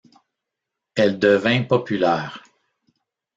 Elle devint populaire.